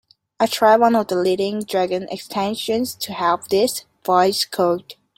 I tried one of the leading Dragon extensions to help with this, Voice Code.